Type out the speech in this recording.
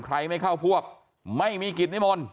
ไม่เข้าพวกไม่มีกิจนิมนต์